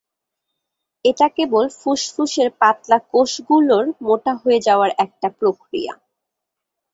এটা কেবল ফুসফুসের পাতলা কোষগুলোর মোটা হয়ে যাওয়ার একটা প্রক্রিয়া।